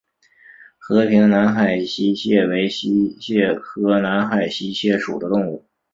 和平南海溪蟹为溪蟹科南海溪蟹属的动物。